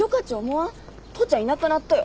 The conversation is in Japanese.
父ちゃんいなくなっとよ。